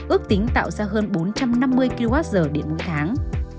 ước tính tạo ra hơn bốn trăm năm mươi kwh điện mỗi tháng